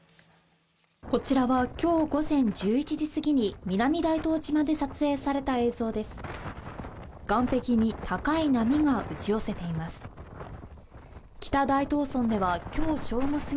こちらは今日午前１１時すぎに南大東島で撮影された映像です。